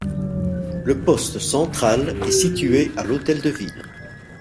Le poste central est situé à l'hôtel de ville.